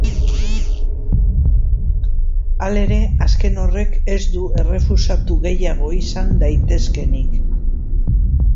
Halere, azken horrek ez du errefusatu gehiago izan daitezkeenik.